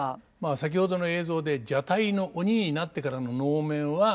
先ほどの映像で蛇体の鬼になってからの能面は般若というんですね。